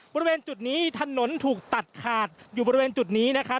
บริเวณจุดนี้ถนนถูกตัดขาดอยู่บริเวณจุดนี้นะครับ